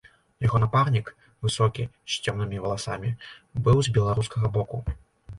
Яго напарнік, высокі, з цёмнымі валасамі, быў з беларускага боку.